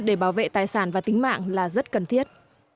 để bảo vệ tài sản và tính mạng là rất cần thiết